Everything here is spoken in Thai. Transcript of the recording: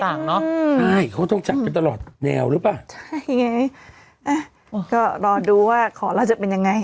ใช่เขาต้องจัดกันตลอดแนวหรือเปล่าใช่ไงอ่ะก็รอดูว่าขอแล้วจะเป็นยังไง